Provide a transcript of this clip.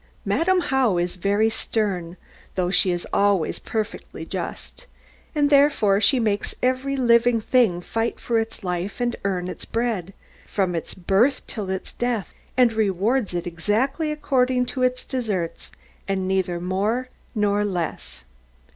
Madam How is very stern, though she is always perfectly just; and therefore she makes every living thing fight for its life, and earn its bread, from its birth till its death; and rewards it exactly according to its deserts, and neither more nor less.